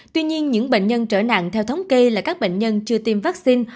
tuy nhiên những bệnh nhân trở nặng theo thống kê là các bệnh nhân chưa tiêm vaccine